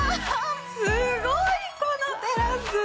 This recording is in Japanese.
すごい、このテラス！